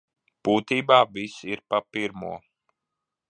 Būtībā viss ir pa pirmo.